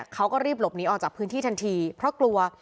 เขาก็รีบหลบหนีออกจากพื้นที่ทันทีเพราะกลัว